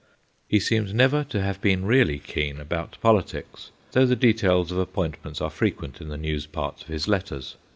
He seems never to have been really keen 64 THE GHOSTS OF PICCADILLY about politics, though the details of ap pointments are frequent in the news parts of his letters.